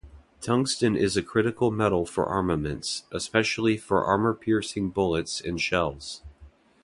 Tungsten is a critical metal for armaments, especially for armour-piercing bullets and shells.